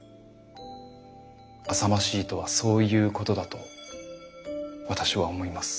あさましいとはそういうことだと私は思います。